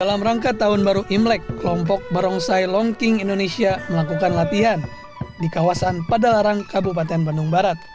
dalam rangka tahun baru imlek kelompok barongsai longking indonesia melakukan latihan di kawasan padalarang kabupaten bandung barat